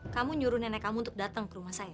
kamu nyuruh nenek kamu untuk datang ke rumah saya